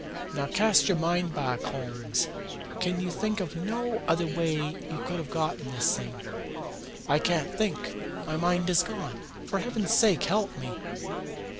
Now cast your mind back, Holmes. Can you think of no other way you could have got this thing?" "I can't think. My mind is gone. For heaven's sake help me!"